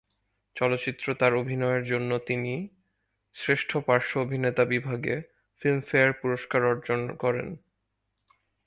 চলচ্চিত্র তার অভিনয়ের জন্য তিনি শ্রেষ্ঠ পার্শ্ব অভিনেতা বিভাগে ফিল্মফেয়ার পুরস্কার অর্জন করেন।